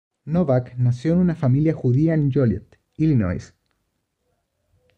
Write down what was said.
Novak nació en una familia judía en Joliet, Illinois.